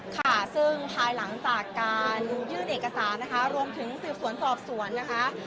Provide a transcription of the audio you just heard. ค่ะซึ่งภายหลังจากการยื่นเอกสารนะคะรวมถึงสืบสวนสอบสวนนะคะ